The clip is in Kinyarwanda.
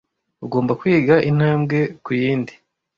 Ugomba kwiga intambwe ku yindi.